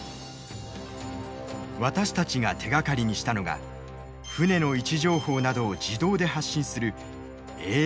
私たちが手がかりにしたのが船の位置情報などを自動で発信するＡＩＳと呼ばれる装置。